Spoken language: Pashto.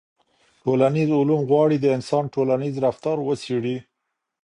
ټولنیز علوم غواړي د انسان ټولنیز رفتار وڅېړي.